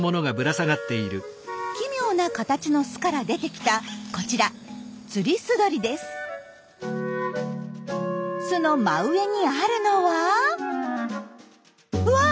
奇妙な形の巣から出てきたこちら巣の真上にあるのはうわ！